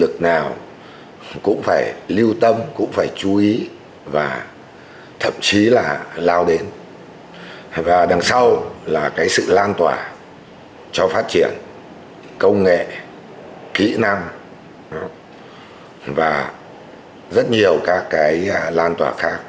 cho phát triển công nghệ kỹ năng và rất nhiều các cái lan tỏa khác